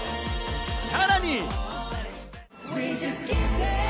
さらに。